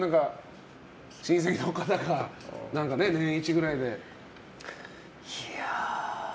親戚の方が年１ぐらいで。